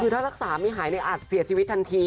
คือถ้ารักษาไม่หายอาจเสียชีวิตทันที